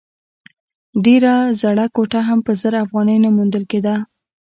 ډېره زړه کوټه هم په زر افغانۍ نه موندل کېده.